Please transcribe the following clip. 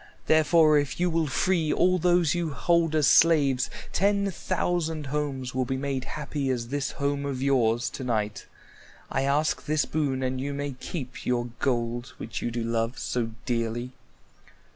Therefore if you will free all those you hold as slaves, ten thousand homes will be made happy as this home of yours to night. I ask this boon, and you may keep your gold which you do love so dearly."